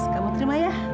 kamu terima ya